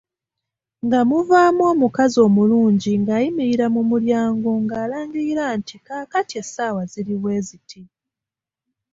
Nga muvaamu omukazi omulungi ng’ayimirira mu mulyango ng’alangirira nti kaakati essaawa ziri bwe ziti.